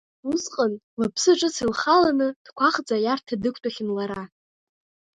Усҟан лыԥсы ҿыц илхаланы дкәаӷӡа аиарҭа дықәтәахьан лара!